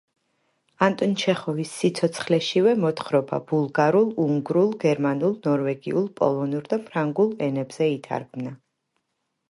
ანტონ ჩეხოვის სიცოცხლეშივე მოთხრობა ბულგარულ, უნგრულ, გერმანულ, ნორვეგიულ, პოლონურ და ფრანგულ ენებზე ითარგმნა.